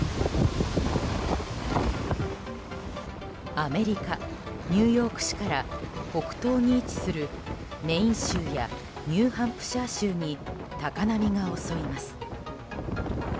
アメリカ・ニューヨーク市から北東に位置するメーン州やニューハンプシャー州に高波が襲います。